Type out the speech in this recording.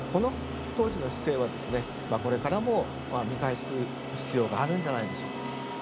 これからも見返す必要があるんじゃないでしょうか。